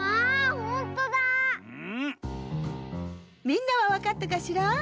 みんなはわかったかしら？